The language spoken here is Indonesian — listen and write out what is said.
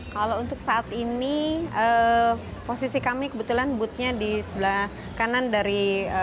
kalau untuk saat ini posisi kami kebetulan boothnya di sebelah kanan dari